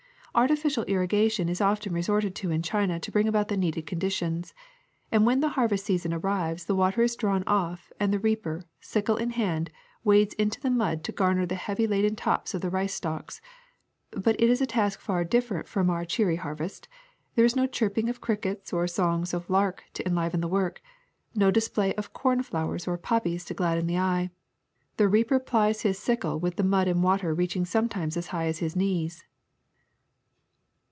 Artificial irrigation is often resorted to in China to bring about the needed conditions, and when the harvest season arrives the water is drawn off and the reaper, sickle in hand, wades into the mud to garner the heavily laden tops of the rice stalks. But it is a task far different from our cheery harvest; there is no chirping of crickets or song of lark to enliven the work, no display of corn flowers or poppies to gladden the eye. The reaper plies his sickle with the mud and water reaching sometimes as high as his knees.''